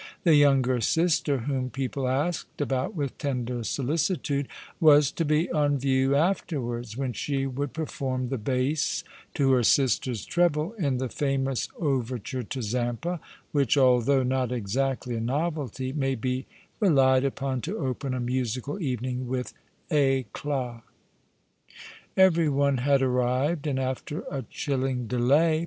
The younger sister, whom people asked about with tender solicitude, was to be on view after wards, when she would perform the bass to her sister's treble in the famous overture to Zampa, which, although not exactly a novelty, may be relied upon to open a musical evening with edat. Every one had arrived, and after a chilling delay.